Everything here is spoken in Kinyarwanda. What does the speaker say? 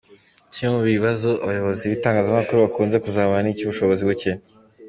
Kimwe mu bibazo abayobozi b’ibitangazamakuru bakunze kuzamura, ni icy’ubushobozi buke.